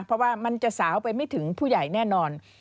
เพราะว่ามันจะสาวไปไม่ถึงผู้ใหญ่แน่นอน